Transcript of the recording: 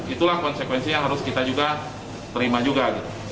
itulah konsekuensinya harus kita juga terima juga